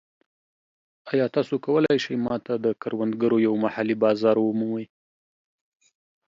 ایا تاسو کولی شئ ما ته د کروندګرو یو محلي بازار ومومئ؟